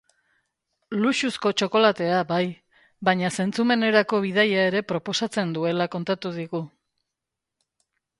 Luxuzko txokolatea bai, baina zentzumenerako bidaia ere proposatzen duela kontatu digu.